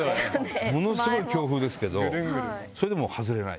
ものすごい強風ですけどそれでも外れない。